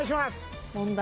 問題